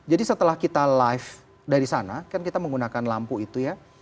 jadi setelah kita live dari sana kan kita menggunakan lampu itu ya